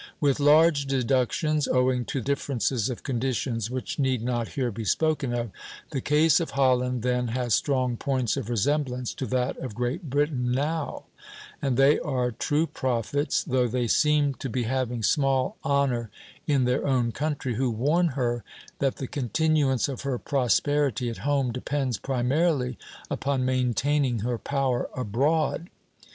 With large deductions, owing to differences of conditions which need not here be spoken of, the case of Holland then has strong points of resemblance to that of Great Britain now; and they are true prophets, though they seem to be having small honor in their own country, who warn her that the continuance of her prosperity at home depends primarily upon maintaining her power abroad.